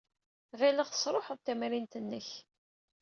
Ɣileɣ tesṛuḥeḍ tamrint-nnek.